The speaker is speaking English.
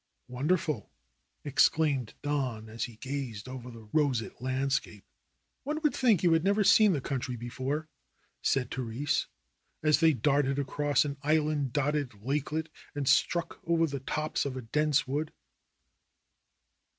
"Wonderful!" exclaimed Don as he gazed over the roseate landscape. "One would think you had never seen the country before," said Therese as they darted across an island dotted lakelet and struck over the tops of a dense wood.